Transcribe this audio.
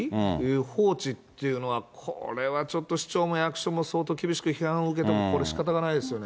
放置っていうのは、これはちょっと市長も役所も相当厳しく批判を受けても、これ、しかたがないですよね。